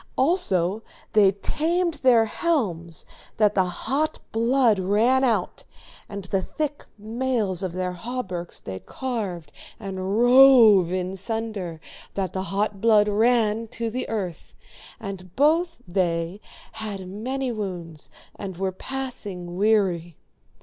Also they tamed their helms that the hot blood ran out, and the thick mails of their hauberks they carved and rove in sunder that the hot blood ran to the earth, and both they had many wounds and were passing weary.